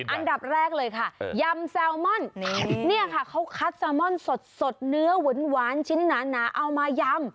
อันดับแรกเลยค่ะยำแซลมอนเนี่ยค่ะเขาคัดแซลมอนสดเนื้อหวานชิ้นหนาเอามายำ